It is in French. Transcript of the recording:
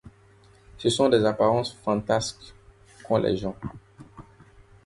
Ce sont des apparences fantasques qu’ont les gens.